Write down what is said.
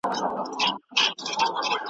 سره او سپین زر له اسمانه پر چا نه دي اورېدلي `